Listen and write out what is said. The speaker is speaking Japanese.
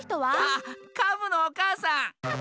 あっカブのおかあさん！